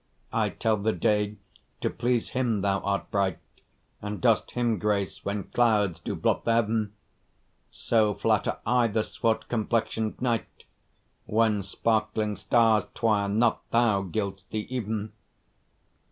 I tell the day, to please him thou art bright, And dost him grace when clouds do blot the heaven: So flatter I the swart complexion'd night, When sparkling stars twire not thou gild'st the even.